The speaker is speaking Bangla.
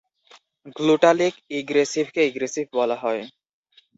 গ্লুটালিক ইগ্রেসিভকে ইগ্রেসিভ বলা হয়।